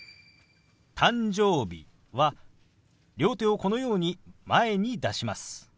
「誕生日」は両手をこのように前に出します。